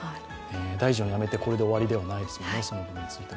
大臣を辞めてこれで終わりではないですもんね。